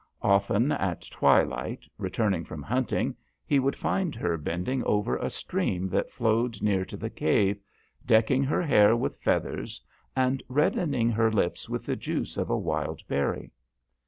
Often at twilight, returning from hunting, he would find her bending over a stream that flowed near to the cave, decking her hair with feathers and reddening her lips with the juice of a wild berry.